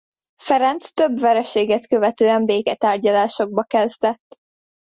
Ferenc több vereséget követően béketárgyalásokba kezdett.